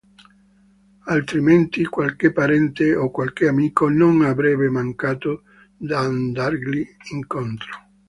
Altrimenti qualche parente o qualche amico non avrebbe mancato d'andargli incontro.